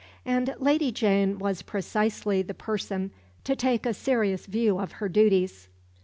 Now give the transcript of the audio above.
And Lady Jane was precisely the person to take a serious view of her duties.